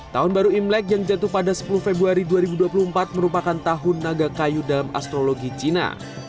tahun baru imlek yang jatuh pada sepuluh februari dua ribu dua puluh empat merupakan tahun naga kayu dalam astrologi cina